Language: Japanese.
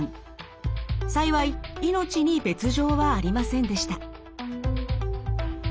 幸い命に別状はありませんでした。